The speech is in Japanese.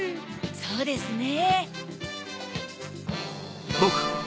そうですね。